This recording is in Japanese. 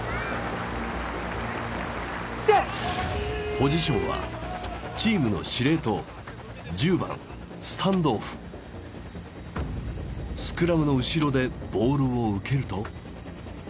ポジションはチームの司令塔１０番スクラムの後ろでボールを受けると。